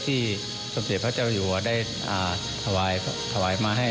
ที่สมเด็จพระเจ้าอยู่ได้ถวายมาให้